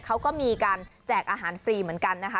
เขาก็มีการแจกอาหารฟรีเหมือนกันนะคะ